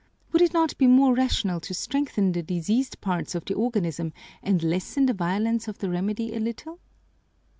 Would it not be more rational to strengthen the diseased parts of the organism and lessen the violence of the remedy a little?"